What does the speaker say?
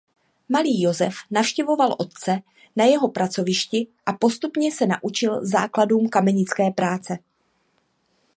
Malý Josef navštěvoval otce na jeho pracovišti a postupně se naučil základům kamenické práce.